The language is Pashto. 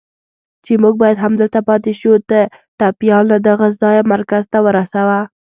چې موږ باید همدلته پاتې شو، ته ټپيان له دغه ځایه مرکز ته ورسوه.